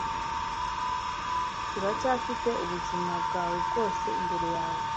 Uracyafite ubuzima bwawe bwose imbere yawe.